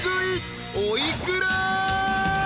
［お幾ら？］